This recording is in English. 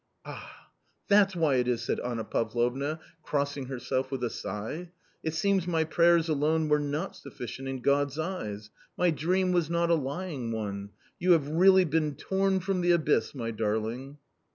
" Ah, that's why it is !" said Anna Pavlovna, crossing herself with a sigh. *' It seems my prayers alone were not sufficient in God's eyes. My dream was not a lying one ; you have really been torn from the abyss, my darling